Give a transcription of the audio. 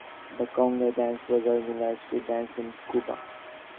The conga dance was originally a street dance in Cuba.